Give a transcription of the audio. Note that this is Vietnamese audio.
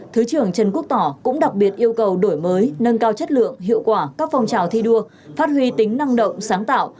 thứ trưởng trần quốc tỏ cũng đặc biệt yêu cầu đổi mới nâng cao chất lượng hiệu quả các phong trào thi đua phát huy tính năng động sáng tạo